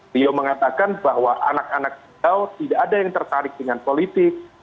beliau mengatakan bahwa anak anak beliau tidak ada yang tertarik dengan politik